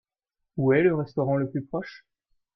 Où est le restaurant le plus proche ?